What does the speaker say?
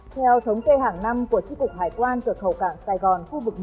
theo thống kê hàng năm của tri cục hải quan cửa khẩu cảng sài gòn khu vực một